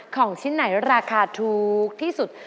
ของชิ้นไหนราคาถูกที่สุด